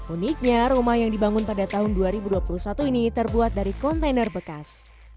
uniknya rumah yang dibangun pada tahun dua ribu dua puluh satu ini terbuat dari kontainer bekas